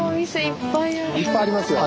いっぱいありますよ。